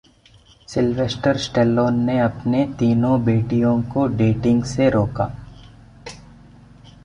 Silvester Stallone ने अपनी तीनों बेटियों को डेटिंग से रोका